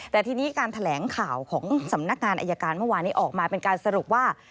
แต่ทีนี้การแถลงข่าวของสำนักงานอายการเมื่อวานนี้ออกมาเป็นการสรุปว่า